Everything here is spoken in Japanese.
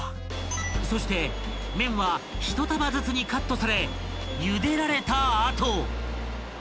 ［そして麺は１束ずつにカットされゆでられた後］